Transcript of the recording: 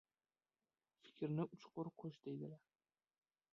Fikrni uchqur qush, deydilar.